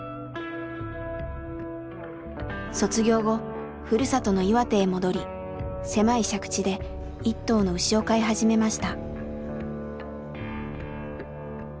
卒業後ふるさとの岩手へ戻り狭い借地で一頭の牛を飼い始めました。